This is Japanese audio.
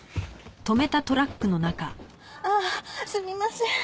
ああすみません。